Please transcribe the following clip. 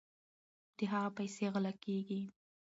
د هغه پیسې غلا کیږي.